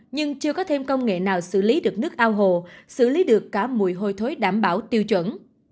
nhưng chưa có thêm công nghệ nào xử lý được nước ao hồ xử lý được cả mùi hôi thối đảm bảo tiêu chuẩn